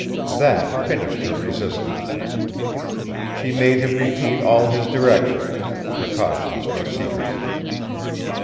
That finished her resistance. She made him repeat all his directions, precautions for secrecy.